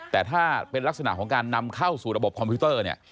แต่ถ้าเป็นลักษณะของการนำเข้าสู่ระบบคอมพิวเตอร์เนี่ย